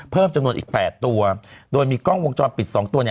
เพิ่มจำนวนอีก๘ตัวโดยมีกล้องวงจรปิด๒ตัว